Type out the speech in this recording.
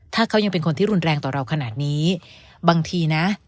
ถ้าเขายังเป็นคนที่รุนแรงต่อเราขนาดนี้บางทีนะ